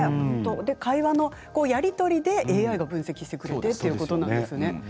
会話のやり取りでＡＩが分析してくれたということなんですね。